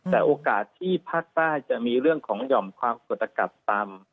แต่โอกาสที่ภาคใต้จะมีเรื่องของหย่อมความกดอากาศต่ำ